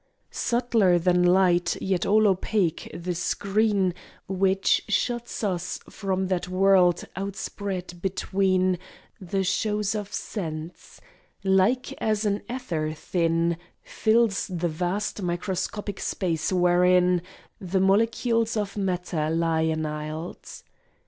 Subtler than light, yet all opaque, the screen Which shuts us from that world, outspread between The shows of sense; like as an ether thin Fills the vast microscopic space wherein The molecules of matter lie enisled.